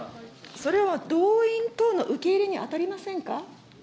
それは動員等の受け入れに当たりませんか。